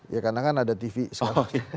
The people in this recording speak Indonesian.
ya karena kan ada tv sekarang